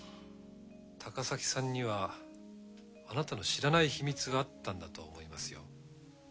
高崎さんにはあなたの知らない秘密があったんだと思いますよ。